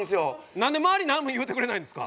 なんで周りなんも言うてくれないんですか？